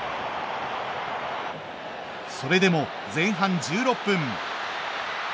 それでも前半１６分。